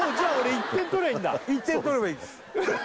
１点とればいいんです